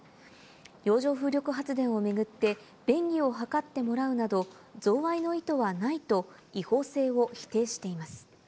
洋上風力発電を巡って、便宜を図ってもらうなど、贈賄の意図はないと、違法性を否定しています。